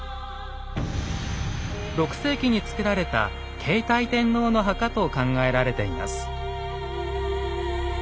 ６世紀に造られた継体天皇の墓と考えられています。